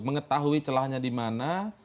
mengetahui celahnya di mana